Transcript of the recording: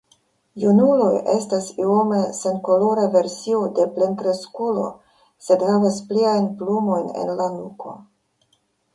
Junuloj estas iome senkolora versio de plenkreskulo sed havas pliajn plumojn en la nuko.